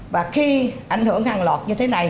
và khi ảnh hưởng hàng lọt như thế này